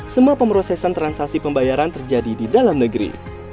semua pemrosesan transaksi pembayaran terjadi di dalam negeri